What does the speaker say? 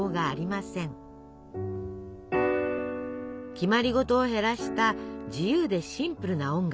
決まりごとを減らした自由でシンプルな音楽を。